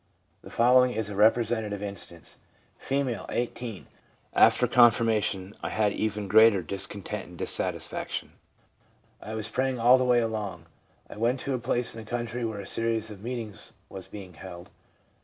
The following is a representative instance: F., 18. 1 After confirmation I had even greater discontent and dissatisfaction. I was praying all the way along. I went to a place in the country where a series of meet ings was being held.